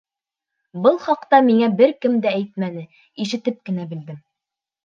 — Был хаҡта миңә бер кем дә әйтмәне, ишетеп кенә белдем.